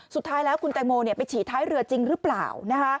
สุดท้ายแล้วคุณแตงโมไปฉี่ท้ายเรือจริงหรือเปล่า